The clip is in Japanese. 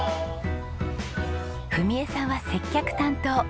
史枝さんは接客担当。